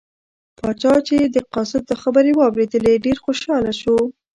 پاچا چې د قاصد دا خبرې واوریدلې ډېر خوشحاله شو.